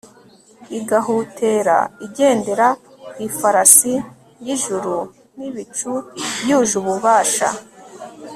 igahutera igendera ku ifarasi y'ijuru n'ibicu, yuje ububasha